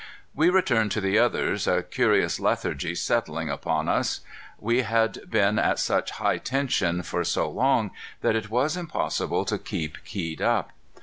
We returned to the others, a curious lethargy settling upon us. We had been at such high tension for so long that it was impossible to keep keyed up.